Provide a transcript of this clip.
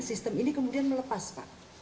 sistem ini kemudian melepas pak